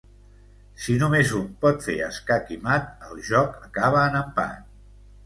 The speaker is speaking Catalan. Si només un pot fer escac i mat, el joc acaba en empat.